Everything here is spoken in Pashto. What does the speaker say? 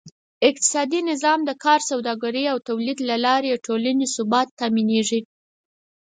اقتصادي نظام: د کار، سوداګرۍ او تولید له لارې د ټولنې ثبات تأمینېږي.